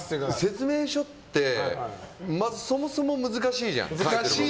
説明書ってそもそも難しいじゃん。